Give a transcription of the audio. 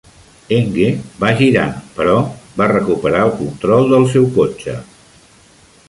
Enge va girar, però va recuperar el control del seu cotxe.